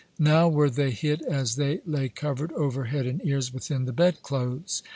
Now were they hit as they lay covered over head and ears within the bed clothes.